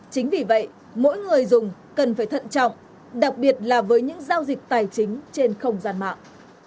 chính vì vậy mỗi người dùng cần phải thận trọng đặc biệt là với những giao dịch tài chính trên không gian mạng